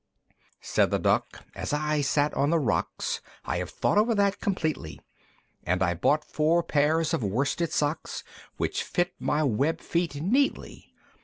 IV. Said the Duck, "As I sat on the rocks, I have thought over that completely, And I bought four pairs of worsted socks Which fit my web feet neatly.